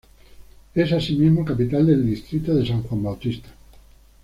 Es asimismo capital del distrito de San Juan Bautista.